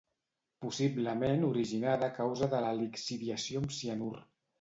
Possiblement originada a causa de la lixiviació amb cianur.